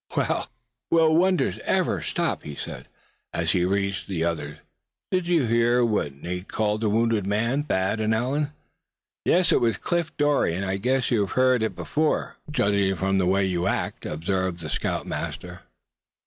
"Well, will wonders ever stop happening?" he said, as he reached the others. "Did you hear what Nate called the wounded man, Thad, Allan?" "Yes, it was Cliff Dorie. And I guess you've heard it before, judging from the way you act?" observed the scoutmaster.